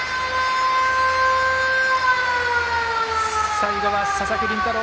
最後は佐々木麟太郎